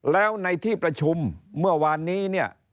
แล้วในที่ประชุมเมื่อวานนี้เนี่ย